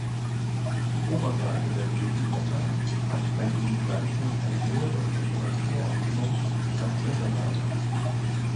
Die Oberseite der Blütenblätter hat bei diesen Pflanzen ein höheres Temperaturoptimum als die Unterseite.